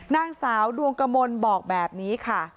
นางสาวดวงกมลบอกแบบนี้ค่ะ